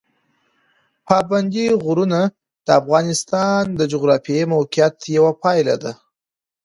پابندي غرونه د افغانستان د جغرافیایي موقیعت یوه پایله ده.